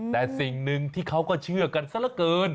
แต่สิ่งหนึ่งที่เขาก็เชื่อกันซะละเกิน